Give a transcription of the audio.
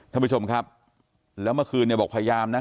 ท่านผู้ชมครับแล้วเมื่อคืนเนี่ยบอกพยายามนะ